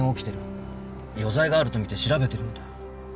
余罪があるとみて調べてるんだ。